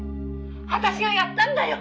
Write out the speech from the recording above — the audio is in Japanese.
「私がやったんだよ！